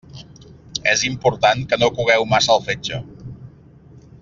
És important que no cogueu massa el fetge.